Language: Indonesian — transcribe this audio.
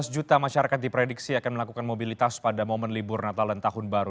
lima belas juta masyarakat diprediksi akan melakukan mobilitas pada momen libur natal dan tahun baru